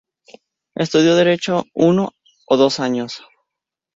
Estudió Derecho uno o dos años.